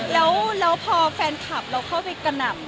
แล้วพอแฟนคลับเราเข้าไปกระหน่ำ